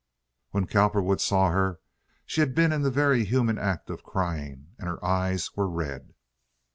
When Cowperwood saw her she had been in the very human act of crying, and her eyes were red.